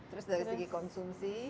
terus dari segi konsumsi